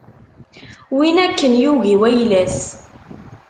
Win akken yugi wayla-s.